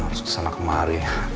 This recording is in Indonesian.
terus kesana kemari